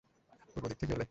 পূর্ব দিক থেকে এলে।